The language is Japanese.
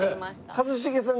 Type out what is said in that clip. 一茂さん